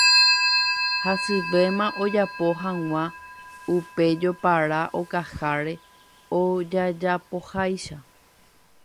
hasyvéma ojapo hag̃ua upe jopara okaháre ojajapoháicha